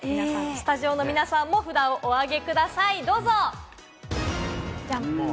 スタジオの皆さんも札をお挙げください、どうぞ。